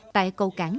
tại cầu cảng